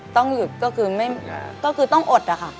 ต้องหยุดก็คือก็คือต้องอดอะค่ะ